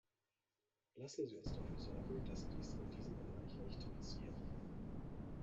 Lassen Sie uns dafür sorgen, dass dies in diesem Bereich nicht passiert.